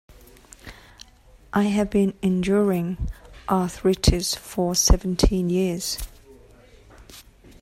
I have been enduring arthritis for seventeen years.